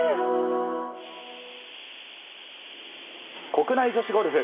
国内女子ゴルフ。